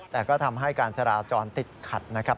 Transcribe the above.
แต่ก็ทำให้การจราจรติดขัดนะครับ